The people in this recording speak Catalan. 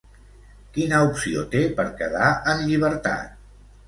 Quina opció té per quedar en llibertat?